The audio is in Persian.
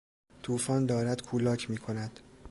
توفان دارد کولاک میکند.